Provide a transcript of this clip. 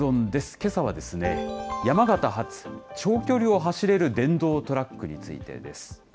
けさは、山形発長距離を走れる電動トラックについてです。